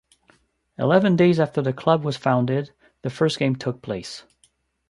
Eleven days after the club was founded the first game took place.